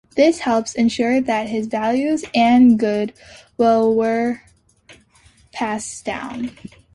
This helped ensure that his values and good will were passed down.